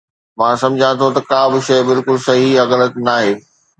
مان سمجهان ٿو ته ڪا به شيء بلڪل صحيح يا غلط ناهي